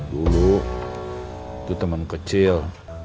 dulu tuh temen kecil